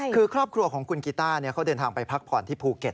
คือครอบครัวของคุณกีต้าเขาเดินทางไปพักผ่อนที่ภูเก็ต